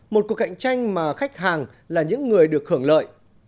một cuộc cạnh tranh mà khách hàng là những người được hưởng lợi